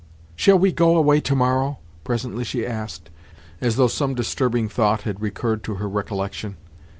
"Shall we go away tomorrow?" presently she asked, as though some disturbing thought had recurred to her recollection.